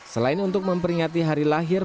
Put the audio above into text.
selain untuk memperingati hari lahir